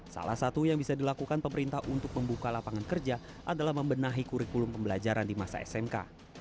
salah satu yang bisa dilakukan pemerintah untuk membuka lapangan kerja adalah membenahi kurikulum pembelajaran di masa smk